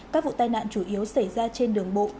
các vụ tai nạn chủ yếu xảy ra trên đường bộ